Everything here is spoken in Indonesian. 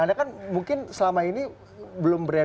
anda kan mungkin selama ini saya sudah berusaha